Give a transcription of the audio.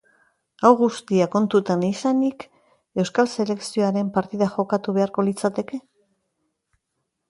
Hau guztia kontutan izanik, euskal selekzioaren partida jokatu beharko litzateke?